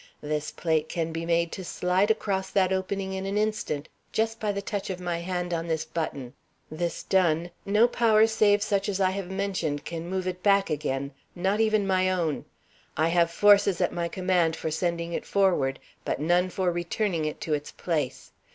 This plate can be made to slide across that opening in an instant just by the touch of my hand on this button. This done, no power save such as I have mentioned can move it back again, not even my own. I have forces at my command for sending it forward, but none for returning it to its place.